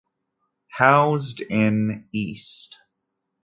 Housed in East.